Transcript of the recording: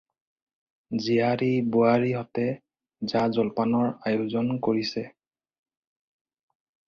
জীয়াৰী-বোৱাৰীহঁতে জা জলপানৰ আয়োজন কৰিছে।